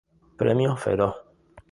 Premios Feroz